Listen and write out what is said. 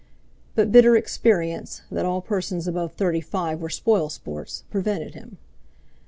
But bitter experience, that all persons above thirty five were spoil sports, prevented him.